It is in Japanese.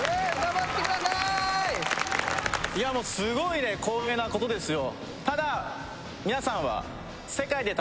いやもうすごいね光栄なことですよ